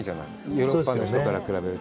ヨーロッパの人から比べると。